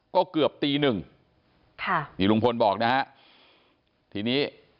ก็เกือบตี๑นี้ลูกว่าบอกนะทีนี้